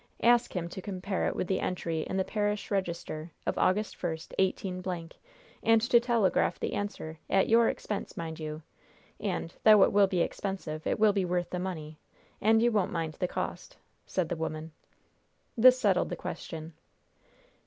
Ask him to compare it with the entry in the parish register of August 1, 18 , and to telegraph the answer, at your expense, mind you; and, though it will be expensive, it will be worth the money, and you won't mind the cost," said the woman. This settled the question.